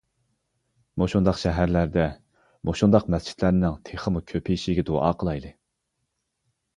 مۇشۇنداق شەھەرلەردە مۇشۇنداق مەسچىتلەرنىڭ تېخىمۇ كۆپىيىشىگە دۇئا قىلايلى.